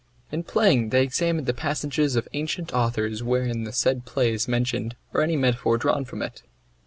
In playing they examined the passages of ancient authors wherein the said play is mentioned or any metaphor drawn from it.